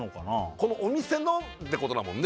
このお店のってことだもんね